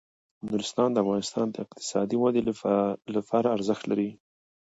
نورستان د افغانستان د اقتصادي ودې لپاره ارزښت لري.